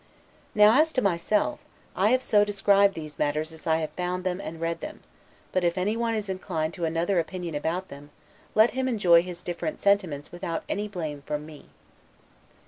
Now as to myself, I have so described these matters as I have found them and read them; but if any one is inclined to another opinion about them, let him enjoy his different sentiments without any blame from me.